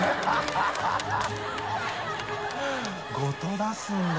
出すんだ。